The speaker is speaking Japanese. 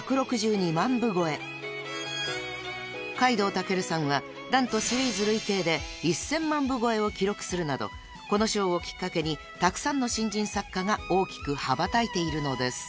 ［海堂尊さんは何とシリーズ累計で１，０００万部超えを記録するなどこの賞をきっかけにたくさんの新人作家が大きく羽ばたいているのです］